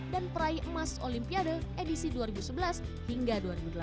dan peraih emas olimpiade edisi dua ribu sebelas hingga dua ribu delapan belas